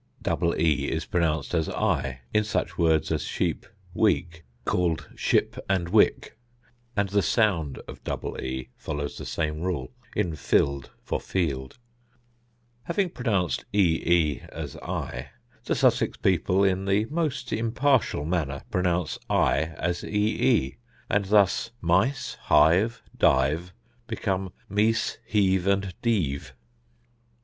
Double e is pronounced as i in such words as sheep, week, called ship and wick; and the sound of double e follows the same rule in fild for field. Having pronounced ee as i, the Sussex people in the most impartial manner pronounce i as ee; and thus mice, hive, dive, become meece, heeve, and deeve.